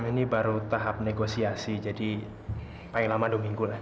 ini baru tahap negosiasi jadi paling lama dua minggu lah